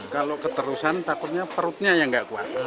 kalau keterusan takutnya perutnya yang nggak kuat